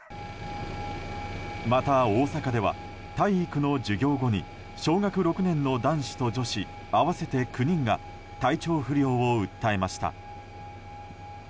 また、大阪では体育の授業後に小学６年の男子と女子合わせて９人が体調不良を訴えました。